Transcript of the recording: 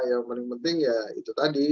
tapi ya yang penting penting ya itu tadi